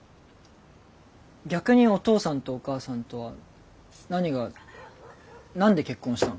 逆にお父さんとお母さんとは何が何で結婚したの？